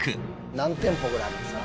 何店舗ぐらいありますか？